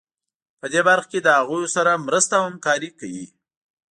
په دې برخه کې له هغوی سره مرسته او همکاري کوي.